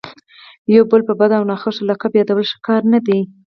یو بل په بد او ناخوښه لقب یادول ښه کار نه دئ.